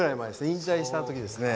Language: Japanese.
引退した時ですね。